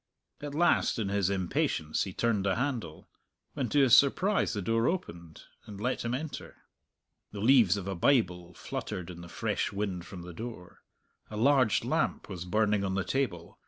At last in his impatience he turned the handle, when to his surprise the door opened, and let him enter. The leaves of a Bible fluttered in the fresh wind from the door. A large lamp was burning on the table.